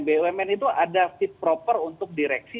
bumn itu ada fit proper untuk direksi